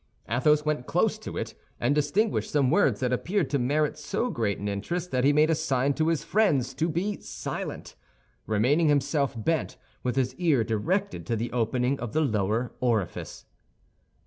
Athos went close to it, and distinguished some words that appeared to merit so great an interest that he made a sign to his friends to be silent, remaining himself bent with his ear directed to the opening of the lower orifice.